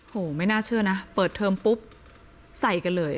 ไม่น่าเชื่อนะเปิดเทอมปุ๊บใส่กันเลย